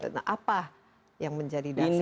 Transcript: nah apa yang menjadi dasar